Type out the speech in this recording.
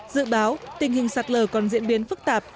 dự báo tình hình sạt lờ còn diễn biến phức tạp